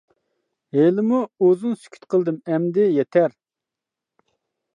ھېلىمۇ ئۇزۇن سۈكۈت قىلدىم ،ئەمدى يېتەر .